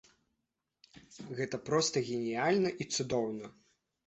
Гэта проста геніяльна і цудоўна!